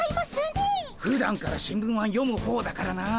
ふだんから新聞は読む方だからな。